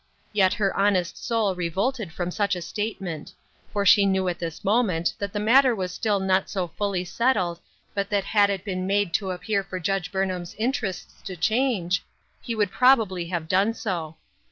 Yet her honest soul revolted from such a statement ; for she knew at this moment that the matter was still not so fully settled but that had it been made to appear for Judge Burnham's interests to change, he would probably have done so.